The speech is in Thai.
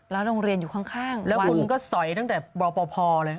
แล้ววันก็สอยตั้งแต่พอเลย